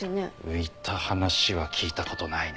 浮いた話は聞いたことないね。